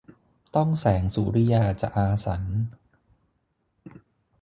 ต้องแสงสุริยาจะอาสัญ